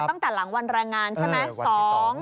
ตั้งแต่หลังวันแรงงานใช่ไหม